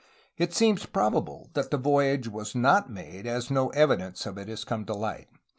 It seems probable that the voyage was not made, as no evidence of it has come to light.